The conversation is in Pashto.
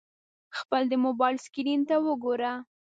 خپل د موبایل سکرین ته وګوره !